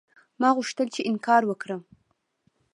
ما غوښتل چې انکار وکړم.